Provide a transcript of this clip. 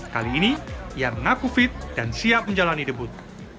kali ini ia mengaku fit dan siap menjalani debut